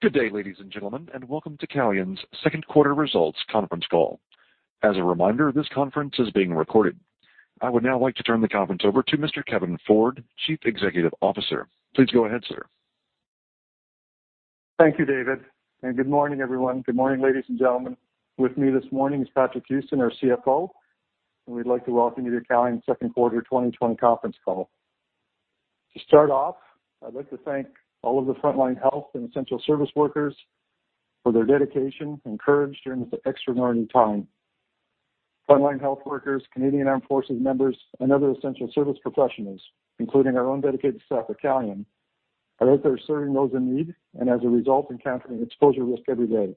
Good day, ladies and gentlemen, welcome to Calian's Second Quarter Results Conference Call. As a reminder, this conference is being recorded. I would now like to turn the conference over to Mr. Kevin Ford, Chief Executive Officer. Please go ahead, Sir. Thank you, David. Good morning, everyone. Good morning, ladies and gentlemen. With me this morning is Patrick Houston, our CFO. We'd like to welcome you to Calian's Second Quarter 2020 Conference Call. To start off, I'd like to thank all of the frontline health and essential service workers for their dedication and courage during this extraordinary time. Frontline health workers, Canadian Armed Forces members, and other essential service professionals, including our own dedicated staff at Calian, are out there serving those in need and, as a result, encountering exposure risk every day.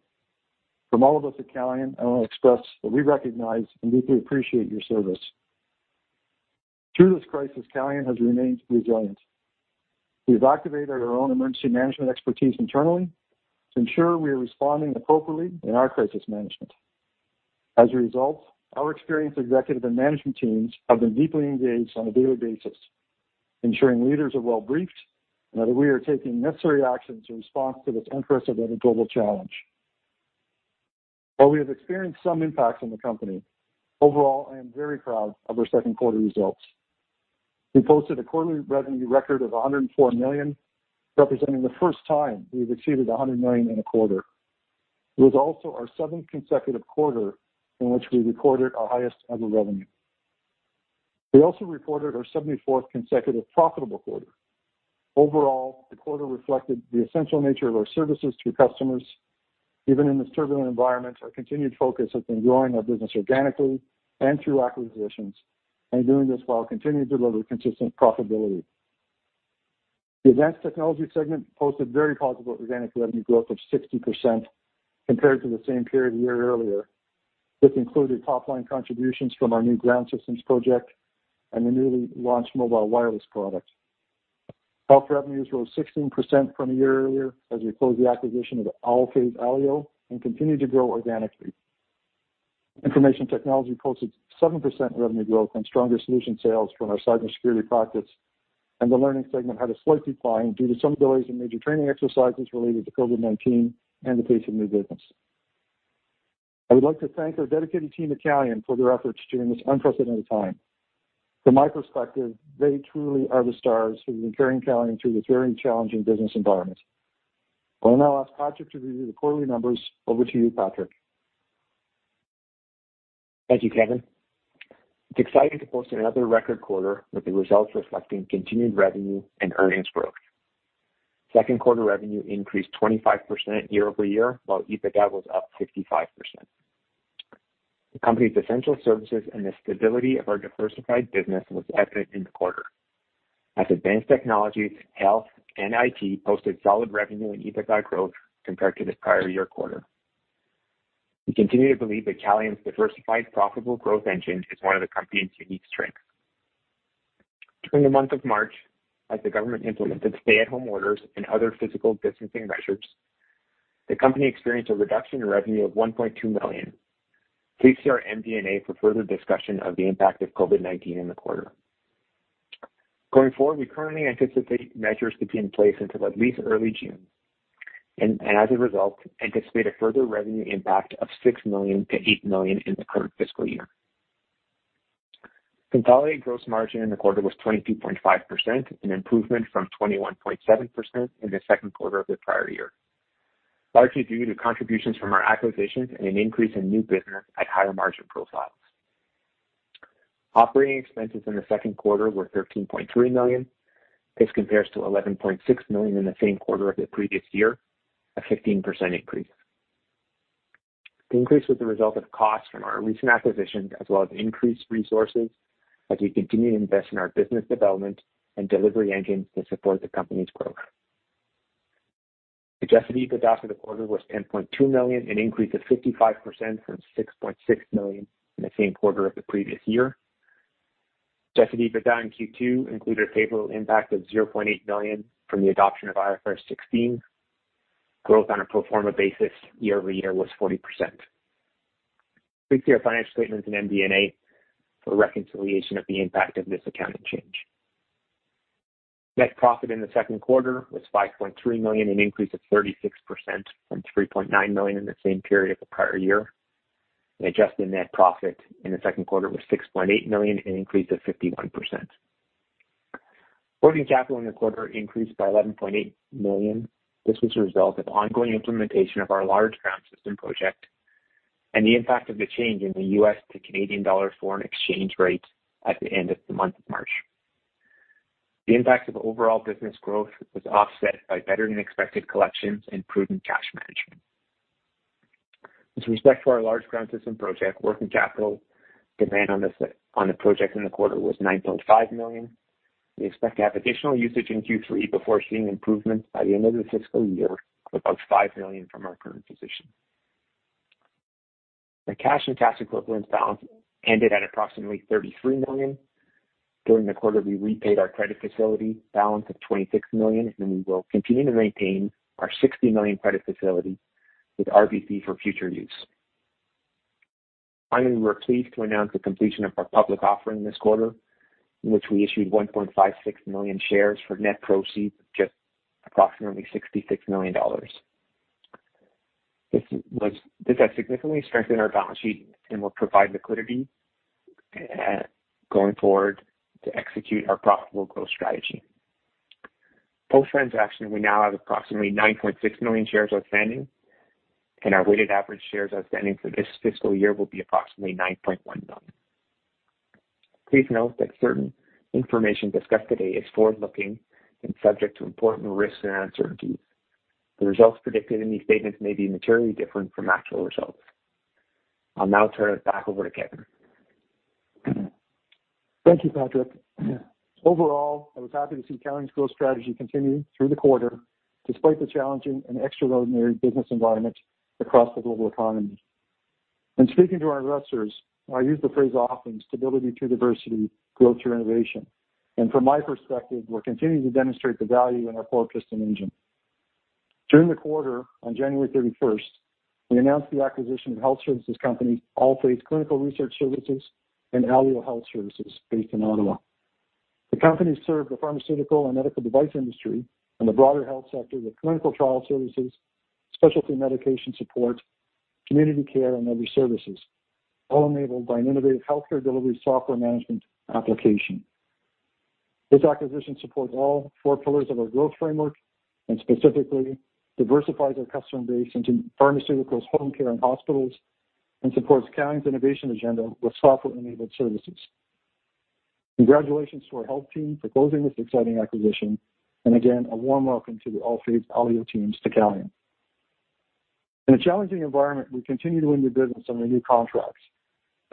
From all of us at Calian, I want to express that we recognize and deeply appreciate your service. Through this crisis, Calian has remained resilient. We've activated our own emergency management expertise internally to ensure we are responding appropriately in our crisis management. As a result, our experienced executive and management teams have been deeply engaged on a daily basis, ensuring leaders are well-briefed and that we are taking necessary action to respond to this unprecedented global challenge. While we have experienced some impacts on the company, overall, I am very proud of our second quarter results. We posted a quarterly revenue record of 104 million, representing the first time we've exceeded 100 million in a quarter. It was also our seventh consecutive quarter in which we recorded our highest ever revenue. We also reported our 74th consecutive profitable quarter. Overall, the quarter reflected the essential nature of our services to customers. Even in this turbulent environment, our continued focus has been growing our business organically and through acquisitions and doing this while continuing to deliver consistent profitability. The Advanced Technologies segment posted very positive organic revenue growth of 60% compared to the same period a year earlier. This included top-line contributions from our new ground systems project and the newly launched mobile wireless product. Health revenues rose 16% from a year earlier as we closed the acquisition of Allphase/Alio and continued to grow organically. Information technology posted 7% revenue growth on stronger solution sales from our cybersecurity practice. The Learning segment had a slight decline due to some delays in major training exercises related to COVID-19 and the pace of new business. I would like to thank our dedicated team at Calian for their efforts during this unprecedented time. From my perspective, they truly are the stars who have been carrying Calian through this very challenging business environment. I will now ask Patrick to review the quarterly numbers. Over to you, Patrick. Thank you, Kevin. It's exciting to post another record quarter with the results reflecting continued revenue and earnings growth. Second quarter revenue increased 25% year-over-year, while EBITDA was up 55%. The company's essential services and the stability of our diversified business was evident in the quarter as Advanced Technologies, Health, and IT posted solid revenue and EBITDA growth compared to the prior year quarter. We continue to believe that Calian's diversified, profitable growth engine is one of the company's unique strengths. During the month of March, as the government implemented stay-at-home orders and other physical distancing measures, the company experienced a reduction in revenue of 1.2 million. Please see our MD&A for further discussion of the impact of COVID-19 in the quarter. Going forward, we currently anticipate measures to be in place until at least early June and, as a result, anticipate a further revenue impact of 6 million-8 million in the current fiscal year. Consolidated gross margin in the quarter was 22.5%, an improvement from 21.7% in the second quarter of the prior year, largely due to contributions from our acquisitions and an increase in new business at higher margin profiles. Operating expenses in the second quarter were 13.3 million. This compares to 11.6 million in the same quarter of the previous year, a 15% increase. The increase was the result of costs from our recent acquisitions as well as increased resources as we continue to invest in our business development and delivery engines to support the company's growth. Adjusted EBITDA for the quarter was 10.2 million, an increase of 55% from 6.6 million in the same quarter of the previous year. Adjusted EBITDA in Q2 included a favorable impact of 0.8 million from the adoption of IFRS 16. Growth on a pro forma basis year-over-year was 40%. Please see our financial statements and MD&A for a reconciliation of the impact of this accounting change. Net profit in the second quarter was 5.3 million, an increase of 36% from 3.9 million in the same period of the prior year. Adjusted net profit in the second quarter was 6.8 million, an increase of 51%. Working capital in the quarter increased by 11.8 million. This was a result of ongoing implementation of our large ground system project and the impact of the change in the U.S. to Canadian dollar foreign exchange rate at the end of the month of March. The impact of overall business growth was offset by better-than-expected collections and prudent cash management. With respect to our large ground system project, working capital demand on the project in the quarter was 9.5 million. We expect to have additional usage in Q3 before seeing improvements by the end of the fiscal year, about 5 million from our current position. The cash and cash equivalents balance ended at approximately 33 million. During the quarter, we repaid our credit facility balance of 26 million, and we will continue to maintain our 60 million credit facility with RBC for future use. Finally, we're pleased to announce the completion of our public offering this quarter, in which we issued 1.56 million shares for net proceeds of just approximately 66 million dollars. This has significantly strengthened our balance sheet and will provide liquidity going forward to execute our profitable growth strategy. Post-transaction, we now have approximately 9.6 million shares outstanding, and our weighted average shares outstanding for this fiscal year will be approximately 9.1 million. Please note that certain information discussed today is forward-looking and subject to important risks and uncertainties. The results predicted in these statements may be materially different from actual results. I'll now turn it back over to Kevin. Thank you, Patrick. Overall, I was happy to see Calian's growth strategy continue through the quarter, despite the challenging and extraordinary business environment across the global economy. In speaking to our investors, I use the phrase often, "Stability through diversity, growth through innovation." From my perspective, we're continuing to demonstrate the value in our four-piston engine. During the quarter, on January 31st, we announced the acquisition of health services company, Allphase Clinical Research Services and Alio Health Services, based in Ottawa. The company served the pharmaceutical and medical device industry and the broader health sector with clinical trial services, specialty medication support, community care, and other services, all enabled by an innovative healthcare delivery software management application. This acquisition supports all four pillars of our growth framework and specifically diversifies our customer base into pharmaceuticals, home care, and hospitals, and supports Calian's innovation agenda with software-enabled services. Congratulations to our health team for closing this exciting acquisition, and again, a warm welcome to the Allphase/Alio teams to Calian. In a challenging environment, we continue to win new business and renew contracts.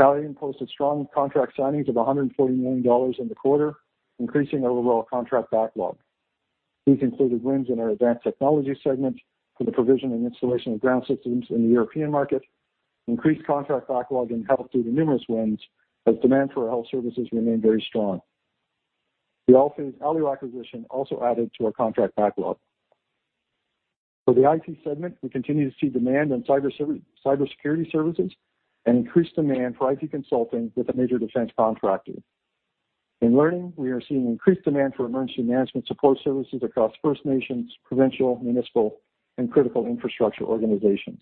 Calian posted strong contract signings of 140 million dollars in the quarter, increasing our overall contract backlog. These included wins in our Advanced Technologies segment for the provision and installation of ground systems in the European market, increased contract backlog in health due to numerous wins as demand for our health services remained very strong. The Allphase/Alio acquisition also added to our contract backlog. For the IT segment, we continue to see demand in cybersecurity services and increased demand for IT consulting with a major defense contractor. In learning, we are seeing increased demand for emergency management support services across First Nations, provincial, municipal, and critical infrastructure organizations.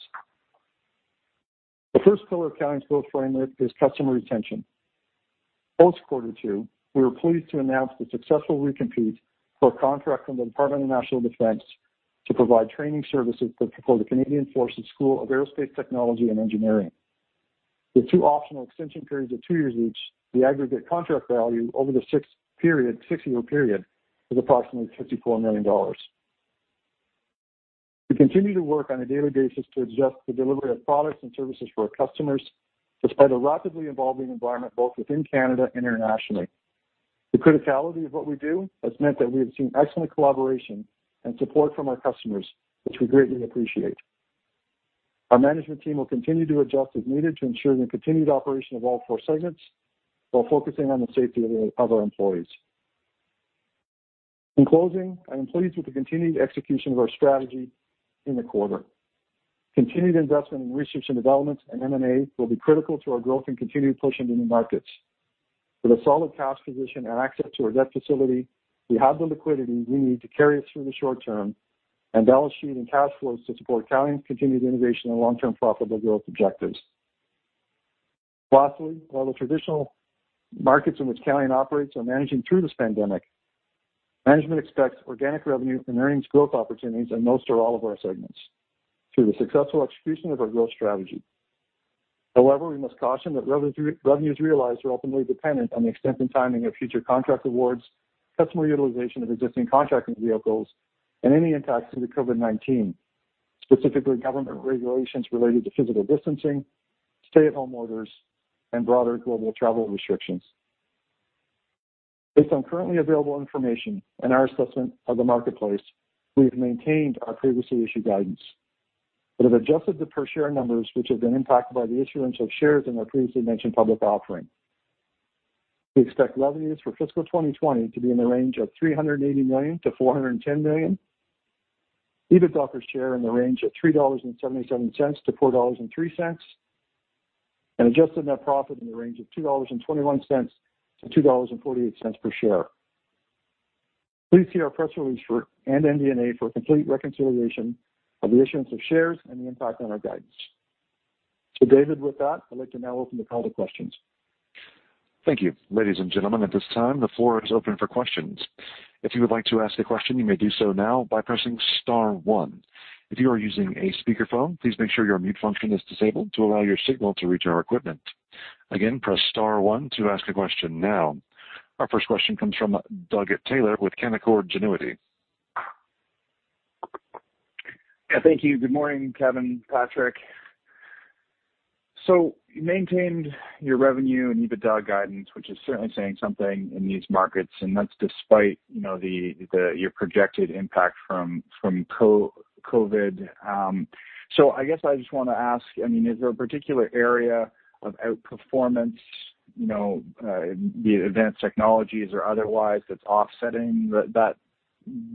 The first pillar of Calian's growth framework is customer retention. Post Q2, we were pleased to announce the successful recompete for a contract from the Department of National Defense to provide training services for the Canadian Forces School of Aerospace Technology and Engineering. With two optional extension periods of two years each, the aggregate contract value over the six-year period is approximately 54 million dollars. We continue to work on a daily basis to adjust the delivery of products and services for our customers, despite a rapidly evolving environment, both within Canada and internationally. The criticality of what we do has meant that we have seen excellent collaboration and support from our customers, which we greatly appreciate. Our management team will continue to adjust as needed to ensure the continued operation of all four segments while focusing on the safety of our employees. In closing, I am pleased with the continued execution of our strategy in the quarter. Continued investment in research and development and M&A will be critical to our growth and continued push into new markets. With a solid cash position and access to our debt facility, we have the liquidity we need to carry us through the short term and balance sheet and cash flows to support Calian's continued innovation and long-term profitable growth objectives. Lastly, while the traditional markets in which Calian operates are managing through this pandemic, management expects organic revenue and earnings growth opportunities in most or all of our segments through the successful execution of our growth strategy. However, we must caution that revenues realized are ultimately dependent on the extent and timing of future contract awards, customer utilization of existing contracting vehicles, and any impacts from the COVID-19, specifically government regulations related to physical distancing, stay-at-home orders, and broader global travel restrictions. Based on currently available information and our assessment of the marketplace, we have maintained our previously issued guidance but have adjusted the per-share numbers, which have been impacted by the issuance of shares in our previously mentioned public offering. We expect revenues for fiscal 2020 to be in the range of 380 million-410 million, EBITDA per share in the range of 3.77-4.03 dollars, and adjusted net profit in the range of 2.21-2.48 dollars per share. Please see our press release and MD&A for a complete reconciliation of the issuance of shares and the impact on our guidance. David, with that, I'd like to now open the call to questions. Thank you. Ladies and gentlemen, at this time, the floor is open for questions. If you would like to ask a question, you may do so now by pressing star one. If you are using a speakerphone, please make sure your mute function is disabled to allow your signal to reach our equipment. Again, press star one to ask a question now. Our first question comes from Doug Taylor with Canaccord Genuity. Yeah, thank you. Good morning, Kevin, Patrick. You maintained your revenue and EBITDA guidance, which is certainly saying something in these markets, and that's despite your projected impact from COVID. I guess I just want to ask, is there a particular area of outperformance, be it Advanced Technologies or otherwise, that's offsetting that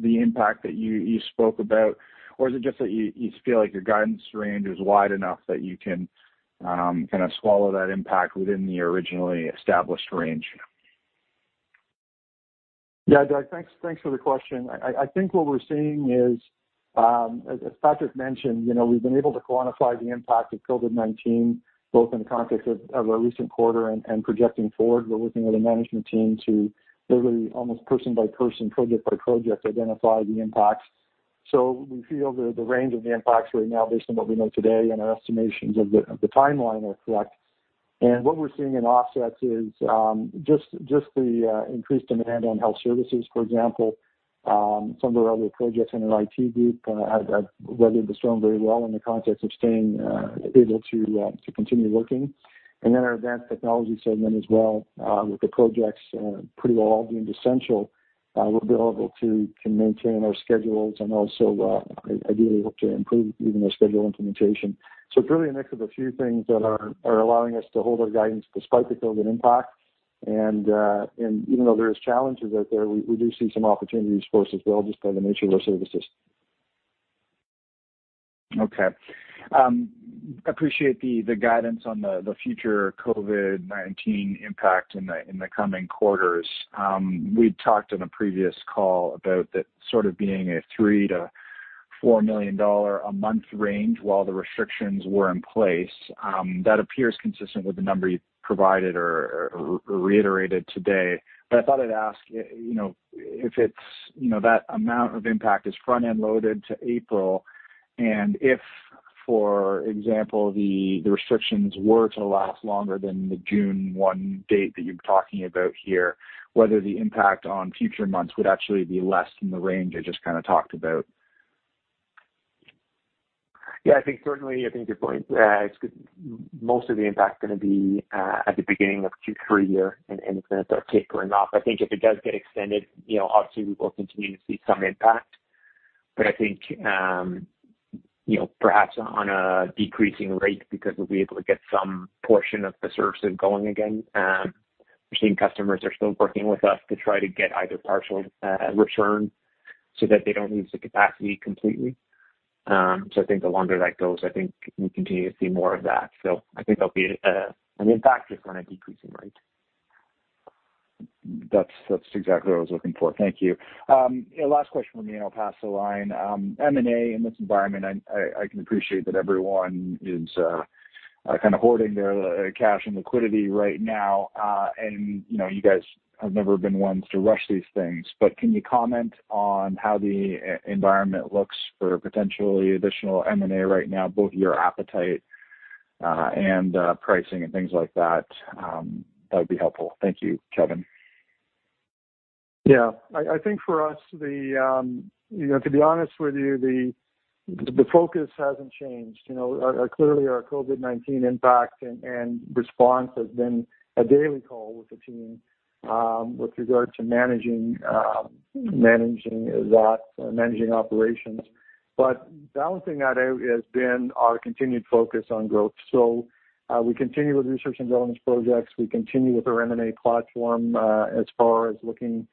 the impact that you spoke about? Or is it just that you feel like your guidance range is wide enough that you can swallow that impact within the originally established range? Yeah, Doug. Thanks for the question. I think what we're seeing is, as Patrick mentioned, we've been able to quantify the impact of COVID-19, both in the context of our recent quarter and projecting forward. We're working with a management team to literally almost person by person, project by project, identify the impacts. We feel the range of the impacts right now based on what we know today and our estimations of the timeline are correct. What we're seeing in offsets is just the increased demand on health services, for example. Some of our other projects in our IT group have weathered the storm very well in the context of staying able to continue working. Our Advanced Technologies segment as well, with the projects pretty well all deemed essential, we're available to maintain our schedules and also ideally hope to improve even our schedule implementation. It's really a mix of a few things that are allowing us to hold our guidance despite the COVID-19 impact. Even though there is challenges out there, we do see some opportunities for us as well, just by the nature of our services. Okay. Appreciate the guidance on the future COVID-19 impact in the coming quarters. We had talked on a previous call about that sort of being a 3 million-4 million dollar a month range while the restrictions were in place. That appears consistent with the number you provided or reiterated today. I thought I would ask if that amount of impact is front-end loaded to April, and if, for example, the restrictions were to last longer than the June 1 date that you are talking about here, whether the impact on future months would actually be less than the range I just kind of talked about? I think certainly, I think your point is most of the impact is going to be at the beginning of Q3 here, and it's going to start tapering off. I think if it does get extended, obviously we will continue to see some impact. I think, perhaps on a decreasing rate because we'll be able to get some portion of the services going again. We're seeing customers are still working with us to try to get either partial return so that they don't lose the capacity completely. I think the longer that goes, I think we continue to see more of that. I think there'll be an impact, just on a decreasing rate. That's exactly what I was looking for. Thank you. Last question from me. I'll pass along. M&A in this environment, I can appreciate that everyone is kind of hoarding their cash and liquidity right now. You guys have never been ones to rush these things, but can you comment on how the environment looks for potentially additional M&A right now, both your appetite and pricing and things like that? That would be helpful. Thank you, Kevin. Yeah. I think for us, to be honest with you, the focus hasn't changed. Clearly our COVID-19 impact and response has been a daily call with the team, with regard to managing that and managing operations. Balancing that out has been our continued focus on growth. We continue with research and development projects. We continue with our M&A platform as far as looking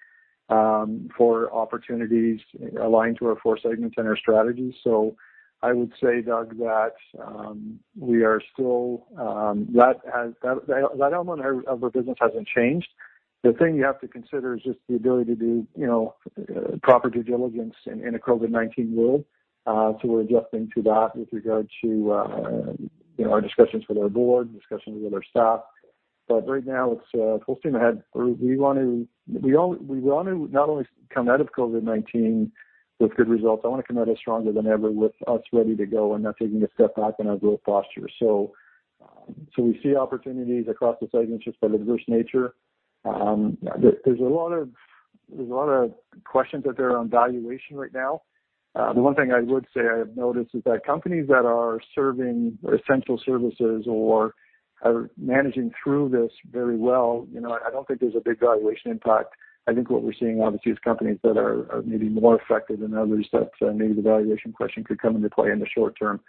for opportunities aligned to our four segments and our strategies. I would say, Doug, that that element of our business hasn't changed. The thing you have to consider is just the ability to do proper due diligence in a COVID-19 world. We're adjusting to that with regard to our discussions with our board, discussions with our staff. Right now, it's full steam ahead. We want to not only come out of COVID-19 with good results, I want to come out of stronger than ever with us ready to go and not taking a step back in our growth posture. We see opportunities across the segments just by the diverse nature. There's a lot of questions out there on valuation right now. The one thing I would say I have noticed is that companies that are serving essential services or are managing through this very well, I don't think there's a big valuation impact. I think what we're seeing obviously is companies that are maybe more affected than others, that maybe the valuation question could come into play in the short term.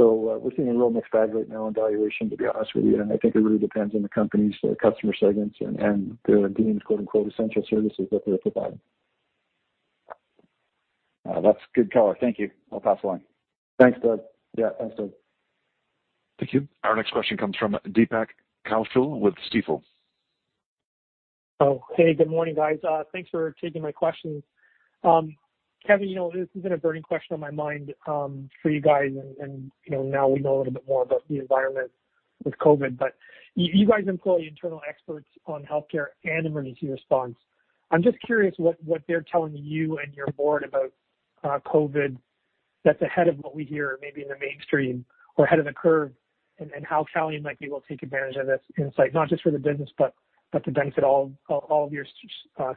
We're seeing a real mixed bag right now on valuation, to be honest with you, and I think it really depends on the company's customer segments and their deemed "essential services" that they're providing. That's good color. Thank you. I'll pass along. Thanks, Doug. Yeah. Thanks, Doug. Thank you. Our next question comes from Deepak Kaushal with Stifel. Oh, hey, good morning, guys. Thanks for taking my questions. Kevin, this has been a burning question on my mind for you guys and now we know a little more about the environment with COVID, but you guys employ internal experts on healthcare and emergency response. I'm just curious what they're telling you and your board about COVID that's ahead of what we hear maybe in the mainstream or ahead of the curve, and how Calian might be able to take advantage of this insight, not just for the business, but to benefit all of your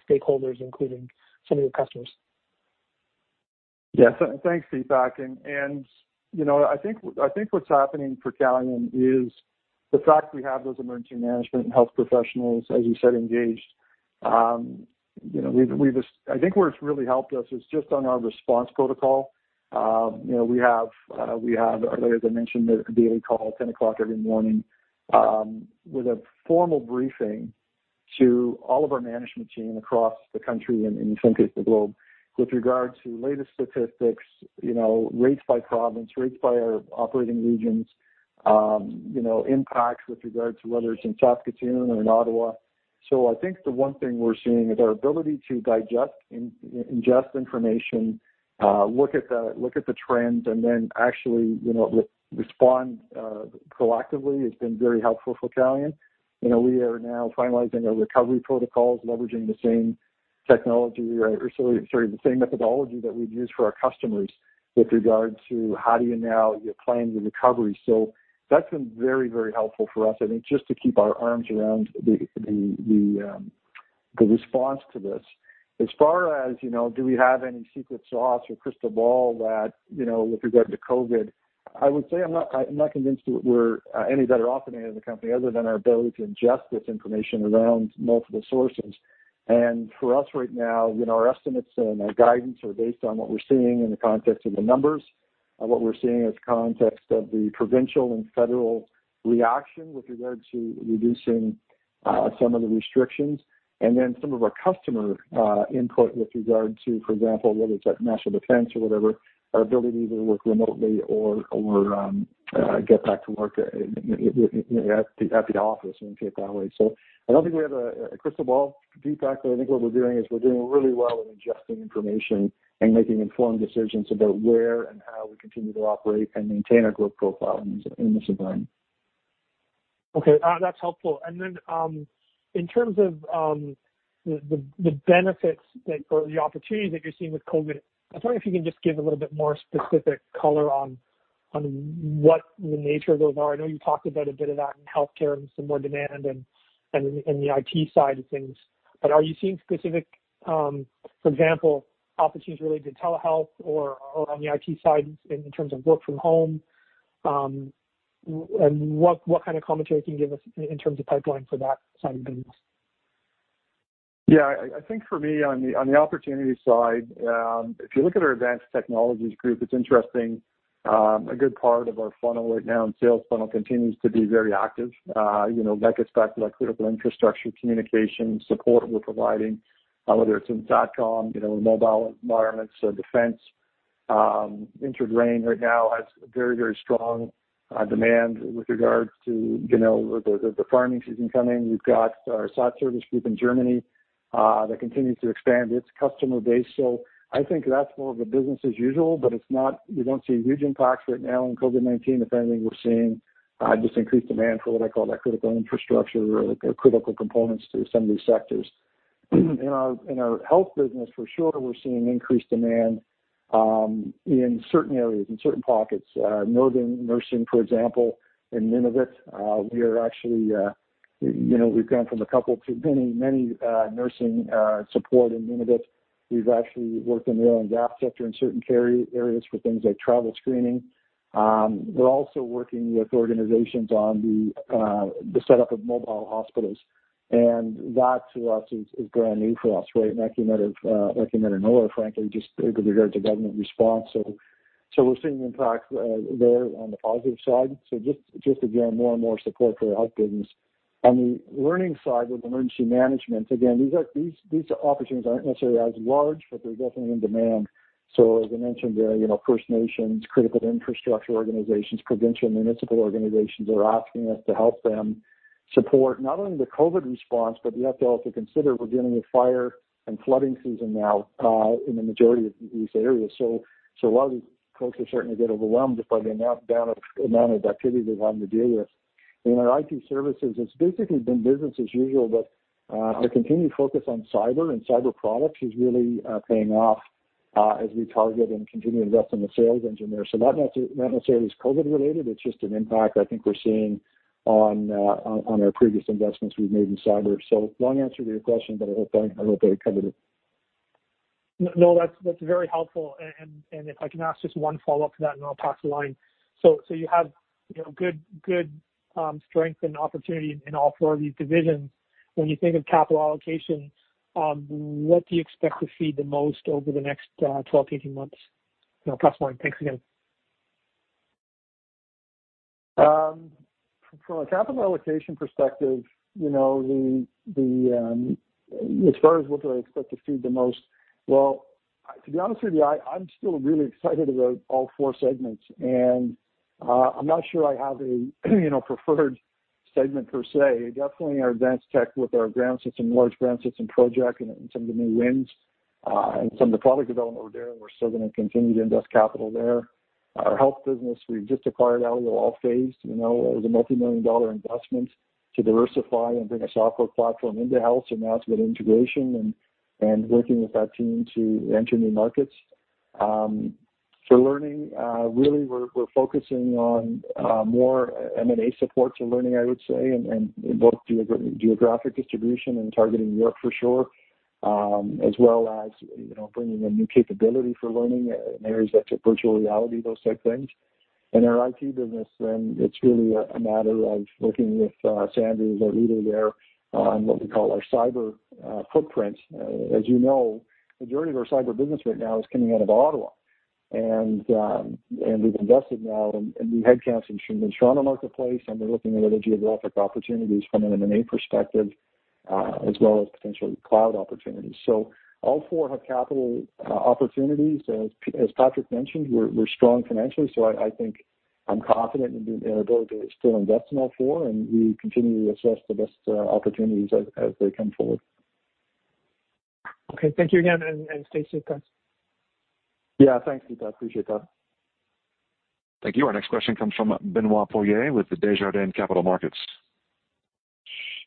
stakeholders, including some of your customers. Yeah. Thanks, Deepak. I think what's happening for Calian is the fact we have those emergency management and health professionals, as you said, engaged. I think where it's really helped us is just on our response protocol. We have, earlier as I mentioned, a daily call at 10:00 A.M. every morning with a formal briefing to all of our management team across the country and in some case the globe with regard to latest statistics, rates by province, rates by our operating regions, impacts with regards to whether it's in Saskatoon or in Ottawa. I think the one thing we're seeing is our ability to digest, ingest information, look at the trends, and then actually respond proactively has been very helpful for Calian. We are now finalizing our recovery protocols, leveraging the same technology, the same methodology that we'd use for our customers with regard to how do you now plan the recovery. That's been very, very helpful for us, I think, just to keep our arms around the response to this. As far as, do we have any secret sauce or crystal ball with regard to COVID? I would say I'm not convinced we're any better off than any other company, other than our ability to ingest this information around multiple sources. For us right now, our estimates and our guidance are based on what we're seeing in the context of the numbers, what we're seeing as context of the provincial and federal reaction with regard to reducing some of the restrictions. Some of our customer input with regard to, for example, whether it's at national defense or whatever, our ability to either work remotely or get back to work at the office in any case that way. I don't think we have a crystal ball, Deepak, but I think what we're doing is we're doing really well with ingesting information and making informed decisions about where and how we continue to operate and maintain our growth profile in this environment. Okay. That's helpful. In terms of the benefits or the opportunities that you're seeing with COVID-19, I was wondering if you can just give a little bit more specific color on what the nature of those are. I know you talked about a bit of that in healthcare and some more demand and the IT side of things, but are you seeing specific, for example, opportunities related to telehealth or on the IT side in terms of work from home? What kind of commentary can you give us in terms of pipeline for that side of the business? Yeah, I think for me on the opportunity side, if you look at our Advanced Technologies group, it's interesting. A good part of our funnel right now and sales funnel continues to be very active. That gets back to that critical infrastructure communication support we're providing, whether it's in SATCOM, mobile environments, defense. IntraGrain right now has very, very strong demand with regards to the farming season coming. We've got our SatService group in Germany that continues to expand its customer base. I think that's more of a business as usual, but we don't see a huge impact right now in COVID-19. If anything, we're seeing just increased demand for what I call that critical infrastructure or critical components to some of these sectors. In our health business, for sure, we're seeing increased demand in certain areas, in certain pockets, Northern nursing, for example, in Nunavut. We've gone from a couple to many nursing support in Nunavut. We've actually worked in the oil and gas sector in certain areas for things like travel screening. We're also working with organizations on the setup of mobile hospitals, and that to us is brand new for us, right? I think that we're frankly just with regard to government response. We're seeing impact there on the positive side. Just again, more and more support for the health business. On the learning side with emergency management, again, these opportunities aren't necessarily as large, but they're definitely in demand. As I mentioned there, First Nations, critical infrastructure organizations, provincial municipal organizations are asking us to help them support not only the COVID response, but you have to also consider we're getting a fire and flooding season now in the majority of these areas. A lot of these folks will certainly get overwhelmed by the amount of activity they're having to deal with. In our IT services, it's basically been business as usual, but our continued focus on cyber and cyber products is really paying off as we target and continue to invest in the sales engineers. Not necessarily COVID related, it's just an impact I think we're seeing on our previous investments we've made in cyber. Long answer to your question, but I hope I covered it. No, that's very helpful. If I can ask just one follow-up to that, and I'll pass the line. You have good strength and opportunity in all four of these divisions. When you think of capital allocation, what do you expect to see the most over the next 12-18 months? I'll pass the line. Thanks again. From a capital allocation perspective, as far as what do I expect to see the most, well, to be honest with you, I'm still really excited about all four segments, and I'm not sure I have a preferred segment per se. Definitely our Advanced Technologies with our ground system, large ground system project and some of the new wins, and some of the product development we're doing, we're still going to continue to invest capital there. Our health business, we've just acquired Alio/Allphase. It was a multimillion-dollar investment to diversify and bring a software platform into health. Now it's about integration and working with that team to enter new markets. For learning, really, we're focusing on more M&A support to learning, I would say, in both geographic distribution and targeting Europe for sure, as well as bringing a new capability for learning in areas such as virtual reality, those type of things. In our IT business, it's really a matter of working with Sandy, our leader there, on what we call our cyber footprint. As you know, the journey of our cyber business right now is coming out of Ottawa. We've invested now in new headcounts in the Toronto marketplace, and we're looking at other geographic opportunities from an M&A perspective, as well as potential cloud opportunities. All four have capital opportunities. As Patrick mentioned, we're strong financially. I think I'm confident in our ability to still invest in all four, and we continue to assess the best opportunities as they come forward. Okay. Thank you again, and stay safe, guys. Yeah. Thanks, Deepak. Appreciate that. Thank you. Our next question comes from Benoit Poirier with the Desjardins Capital Markets.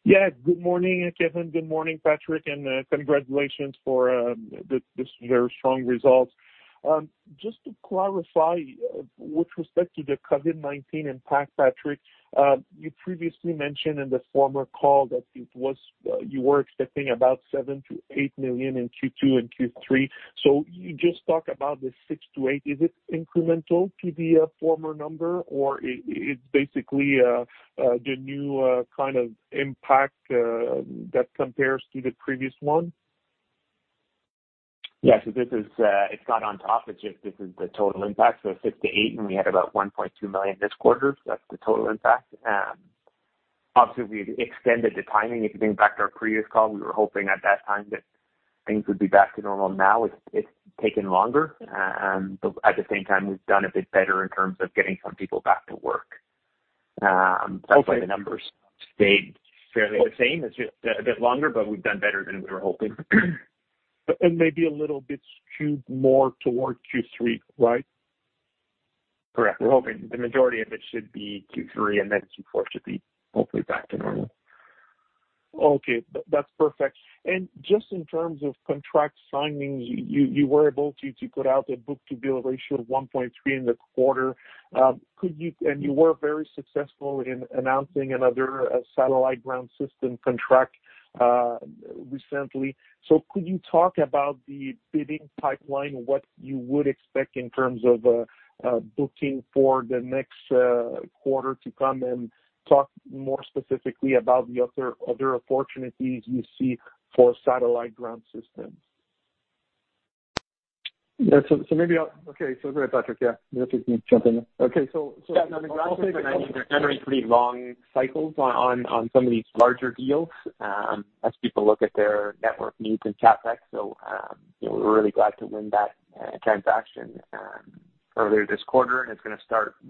Good morning, Kevin. Good morning, Patrick. Congratulations for this very strong result. Just to clarify with respect to the COVID-19 impact, Patrick, you previously mentioned in the former call that you were expecting about 7 million-8 million in Q2 and Q3. You just talk about the 6 million-8 million. Is it incremental to the former number, or it's basically the new kind of impact that compares to the previous one? Yeah. It's not on top. This is the total impact, so 6 million-8 million, and we had about 1.2 million this quarter. That's the total impact. Obviously, we've extended the timing. If you think back to our previous call, we were hoping at that time that things would be back to normal now. It's taken longer. At the same time, we've done a bit better in terms of getting some people back to work. Okay. That's why the numbers stayed fairly the same. It's just a bit longer, but we've done better than we were hoping. Maybe a little bit skewed more toward Q3, right? Correct. We're hoping the majority of it should be Q3, and then Q4 should be hopefully back to normal. Okay. That's perfect. Just in terms of contract signings, you were able to put out a book-to-bill ratio of 1.3 in the quarter. You were very successful in announcing another satellite ground system contract recently. Could you talk about the bidding pipeline, what you would expect in terms of booking for the next quarter to come, and talk more specifically about the other opportunities you see for satellite ground systems? Yeah. Okay. Go ahead, Patrick. Yeah. If you want me to jump in. Okay. I'll say that, I mean, they're generally pretty long cycles on some of these larger deals as people look at their network needs and CapEx. We're really glad to win that transaction earlier this quarter, and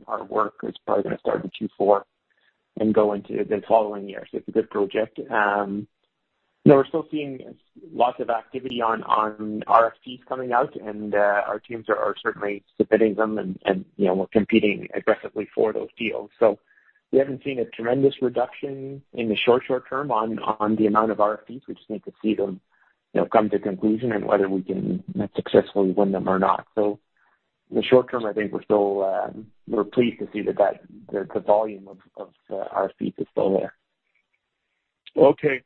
our work is probably gonna start in Q4 and go into the following year. It's a good project. We're still seeing lots of activity on RFPs coming out, and our teams are certainly submitting them and we're competing aggressively for those deals. We haven't seen a tremendous reduction in the short term on the amount of RFPs. We just need to see them come to conclusion and whether we can successfully win them or not. In the short term, I think we're pleased to see that the volume of RFPs is still there. Okay.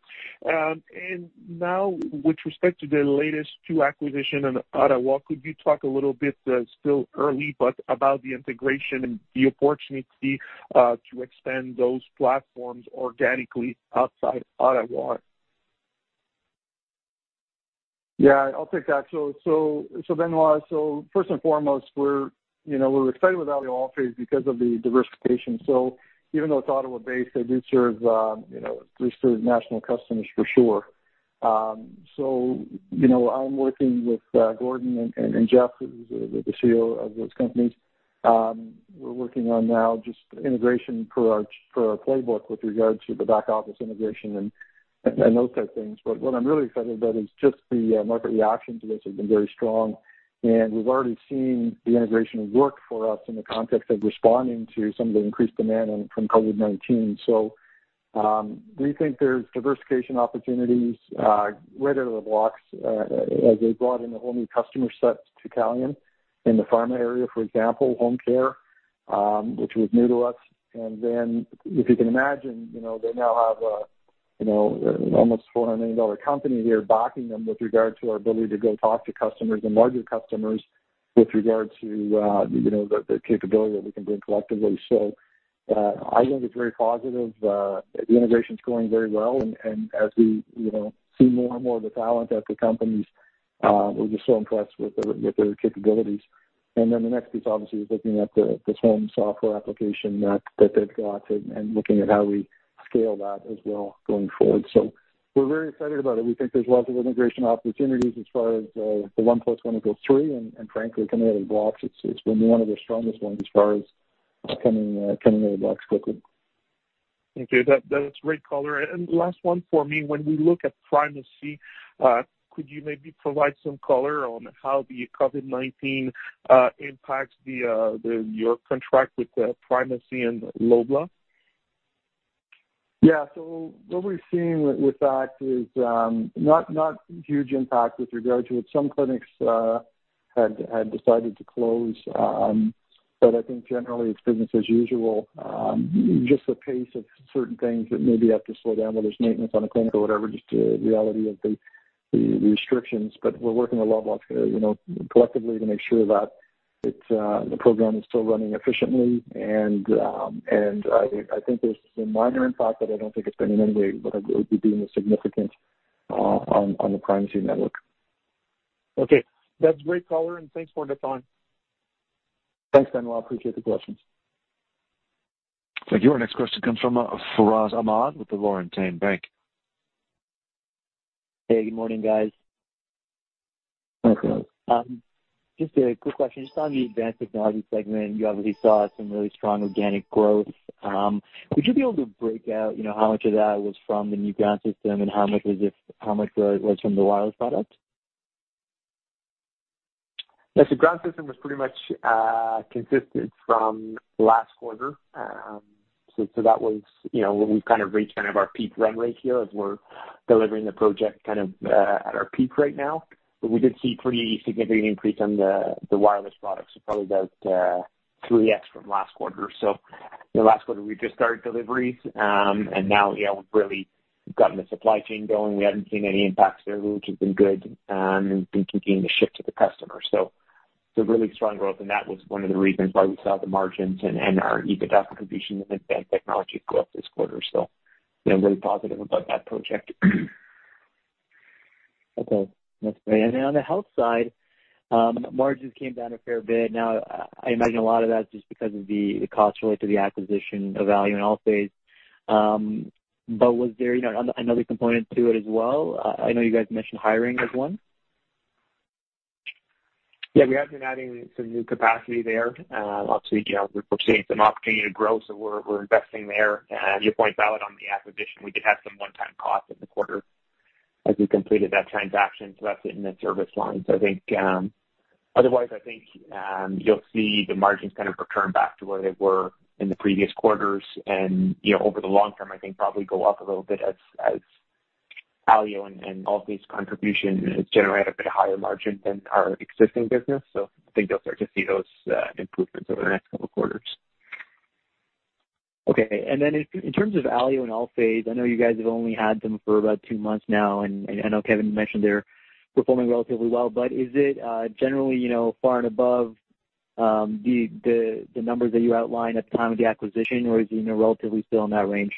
Now with respect to the latest two acquisitions in Ottawa, could you talk a little bit, still early, but about the integration and the opportunity to extend those platforms organically outside Ottawa? Yeah, I'll take that. Benoit, first and foremost, we're excited with the Allphase because of the diversification. Even though it's Ottawa based, they do serve national customers for sure. I'm working with Gordon and Jeff, who's the CEO of those companies. We're working on now just integration for our playbook with regards to the back office integration and those type things. What I'm really excited about is just the market reaction to this has been very strong, and we've already seen the integration work for us in the context of responding to some of the increased demand from COVID-19. We think there's diversification opportunities right out of the blocks, as they brought in a whole new customer set to Calian in the pharma area, for example, home care, which was new to us. If you can imagine, they now have almost a 400 million dollar company here backing them with regard to our ability to go talk to customers and larger customers with regard to the capability that we can bring collectively. I think it's very positive. The integration's going very well, and as we see more and more of the talent at the companies, we're just so impressed with their capabilities. The next piece obviously is looking at this home software application that they've got and looking at how we scale that as well going forward. We're very excited about it. We think there's lots of integration opportunities as far as the one plus one equals three, and frankly, coming out of the blocks, it's been one of the strongest ones as far as coming out of the blocks quickly. Okay. That's great color. Last one for me. When we look at Primacy, could you maybe provide some color on how the COVID-19 impacts your contract with Primacy and Loblaw? Yeah. What we're seeing with that is not huge impact with regard to it. Some clinics had decided to close. I think generally it's business as usual. Just the pace of certain things that maybe have to slow down, whether it's maintenance on a clinic or whatever, just the reality of the- The restrictions, but we're working a lot collectively to make sure that the program is still running efficiently. I think there's been minor impact, but I don't think it's been in any way what would be deemed as significant on the Primacy network. Okay. That's great, Poirier, and thanks for the time. Thanks, Benoit. Appreciate the questions. Thank you. Our next question comes from Furaz Ahmad with the Laurentian Bank. Hey, good morning, guys. Hi, Fauraz. Just a quick question. Just on the Advanced Technologies segment, you obviously saw some really strong organic growth. Would you be able to break out how much of that was from the new ground system and how much was from the wireless product? Yeah. Ground system was pretty much consistent from last quarter. That was where we've kind of reached our peak run rate here as we're delivering the project at our peak right now. We did see pretty significant increase on the wireless products, probably about 3x from last quarter. Last quarter, we just started deliveries. Now we've really gotten the supply chain going. We haven't seen any impacts there, which has been good, and been keeping the ship to the customer. It's a really strong growth, and that was one of the reasons why we saw the margins and our EBITDA contribution in Advanced Technologies go up this quarter. Yeah, really positive about that project. Okay. That's great. On the health side, margins came down a fair bit. I imagine a lot of that is just because of the cost related to the acquisition of Alio and Allphase. Was there another component to it as well? I know you guys mentioned hiring as one. Yeah, we have been adding some new capacity there. Obviously, we're seeing some opportunity to grow, so we're investing there. Your point's valid on the acquisition. We did have some one-time costs in the quarter as we completed that transaction, so that's in the service line. Otherwise, I think you'll see the margins kind of return back to where they were in the previous quarters, and over the long term, I think probably go up a little bit as Alio and Allphase contribution generate a bit higher margin than our existing business. I think you'll start to see those improvements over the next couple of quarters. Okay. In terms of Alio and Allphase, I know you guys have only had them for about two months now, and I know, Kevin, you mentioned they're performing relatively well. Is it generally far and above the numbers that you outlined at the time of the acquisition, or is it relatively still in that range?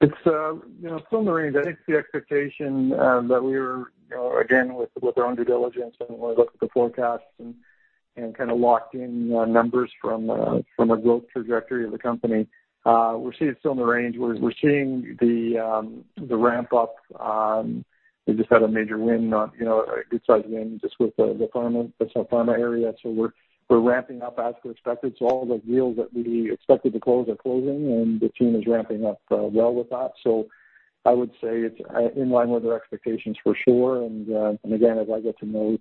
It's still in the range. I think the expectation that we were, again, with our own due diligence and when we looked at the forecasts and kind of locked in numbers from a growth trajectory of the company, we're seeing it's still in the range. We're seeing the ramp up. We just had a major win, a good-sized win just with the pharma area. We're ramping up as we expected. All the deals that we expected to close are closing, and the team is ramping up well with that. I would say it's in line with our expectations for sure. Again, as I get to know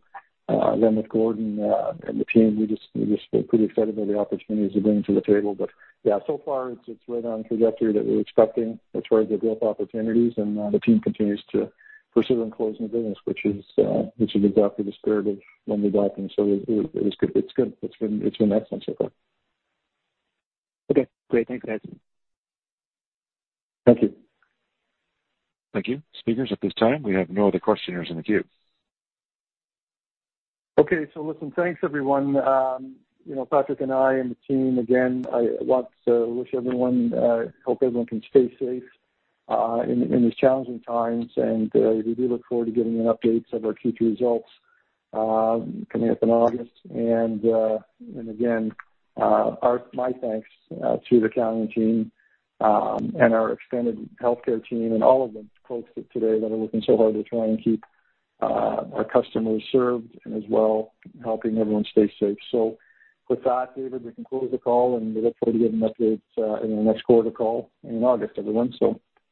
Glenn with Gordon and the team, we just feel pretty excited about the opportunities they're bringing to the table. Yeah, so far it's right on trajectory that we were expecting as far as the growth opportunities, and the team continues to pursue and close new business, which is exactly the spirit of when we bought them. It's good. It's been excellent so far. Okay, great. Thanks, guys. Thank you. Thank you. Speakers, at this time, we have no other questioners in the queue. Listen, thanks, everyone. Patrick and I and the team, again, I want to wish everyone, hope everyone can stay safe in these challenging times. We do look forward to giving you updates of our Q2 results coming up in August. Again, my thanks to the Calian team and our extended healthcare team and all of the folks today that are working so hard to try and keep our customers served and as well, helping everyone stay safe. With that, David, we can close the call, and we look forward to giving updates in the next quarter call in August, everyone.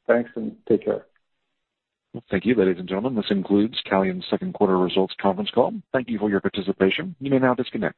Thanks and take care. Well, thank you, ladies and gentlemen. This concludes Calian's second quarter results conference call. Thank you for your participation. You may now disconnect.